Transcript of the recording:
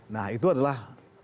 nah itu adalah